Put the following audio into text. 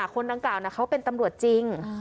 คนดังกล่าวเขาเป็นตำรวจจริง